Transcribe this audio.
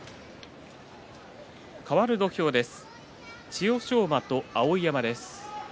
かわる土俵です。